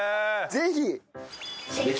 ぜひ。